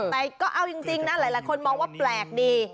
แต่ก็เอาจริงนะหลายคนมองว่าแปลกดี